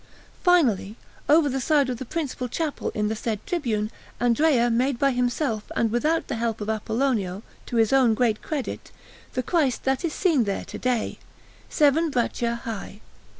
Finally, over the side of the principal chapel in the said tribune, Andrea made by himself and without the help of Apollonio, to his own great credit, the Christ that is still seen there to day, seven braccia high.